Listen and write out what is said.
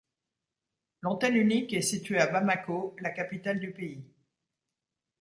L'antenne unique est située à Bamako, la capitale du pays.